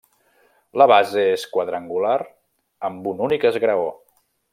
La base és quadrangular amb un únic esgraó.